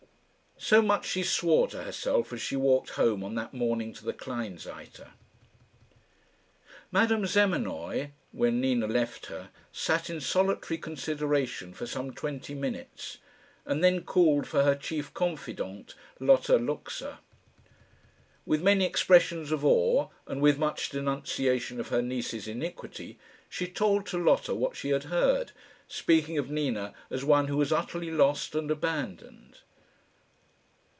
So much she swore to herself as she walked home on that morning to the Kleinseite. Madame Zamenoy, when Nina left her, sat in solitary consideration for some twenty minutes, and then called for her chief confidant, Lotta Luxa. With many expressions of awe, and with much denunciation of her niece's iniquity, she told to Lotta what she had heard, speaking of Nina as one who was utterly lost and abandoned.